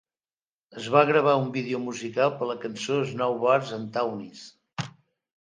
Es va gravar un vídeo musical per a la cançó "Snowbirds and Townies".